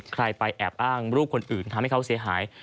ใครไปแอบอ้างลูกคนอื่นทำให้เขาเสียหาย